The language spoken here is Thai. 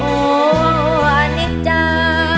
โอ้อันนี้จ้า